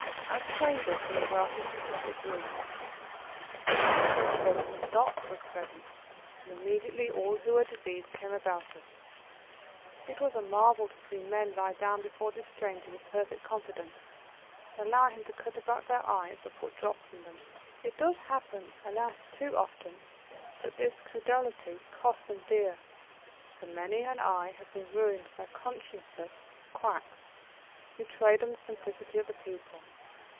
As strangers we were welcomed to the public room. It was soon discovered that a doctor was present, and immediately all who were diseased came about us. It was a marvel to see men lie down before this stranger with perfect confidence and allow him to cut about their eyes or put drops in them. It does happen, alas, too often, that this credulity costs them dear, for many an eye has been ruined by conscienceless quacks who trade on the simplicity of the people.